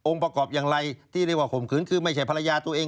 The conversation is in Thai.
ประกอบอย่างไรที่เรียกว่าข่มขืนคือไม่ใช่ภรรยาตัวเอง